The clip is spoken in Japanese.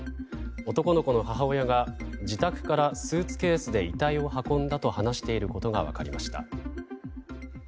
男の子の母親が自宅からスーツケースで遺体を運んだと話していることが分かりました。